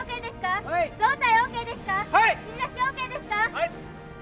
はい！